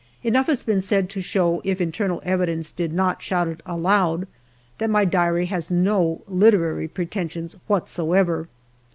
Enough has been said to show, if internal evidence did not shout it aloud, that my diary has no literary preten sions whatsoever.